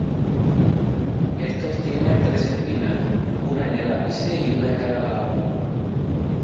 Estos tienen tres espinas, una en el ápice y una en cada lado.